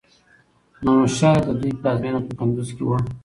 نو شايد د دوی پلازمېنه په کندوز کې وه